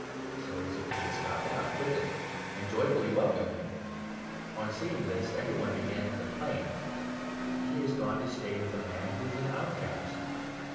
So Zacchaeus got down quickly, and joyfully welcomed him. 6 On seeing this, every one began to complain : 7 " He has gone to stay with a man who is an outcast."